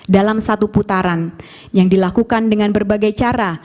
dalam satu putaran yang dilakukan dengan berbagai cara